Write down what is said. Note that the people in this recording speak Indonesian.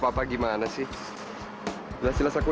pernah menekan tanganku